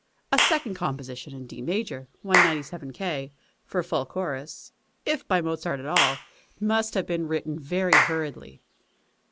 A second composition, in D major, (197 K.) for full chorus, if by Mozart at all, must have been written very hurriedly.